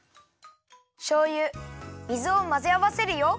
しょうゆ水をまぜあわせるよ。